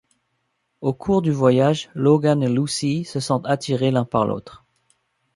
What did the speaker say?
Au cours du voyage, Logan et Lucy se sentent attirés l'un par l'autre.